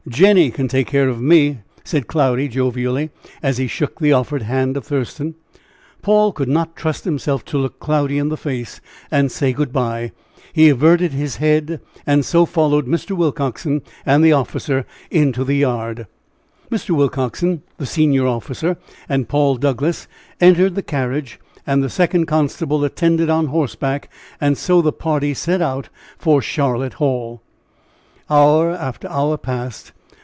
Jenny can take care of me," said Cloudy, jovially, as he shook the offered hand of Thurston. Paul could not trust himself to look Cloudy in the face and say "Good by." He averted his head, and so followed Mr. Willcoxen and the officer into the yard. Mr. Willcoxen, the senior officer and Paul Douglass entered the carriage, and the second constable attended on horseback, and so the party set out for Charlotte Hall. Hour after hour passed.